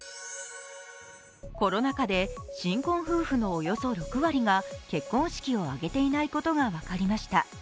コロナ禍で新婚夫婦のおよそ６割が結婚式を挙げていないことが分かりました。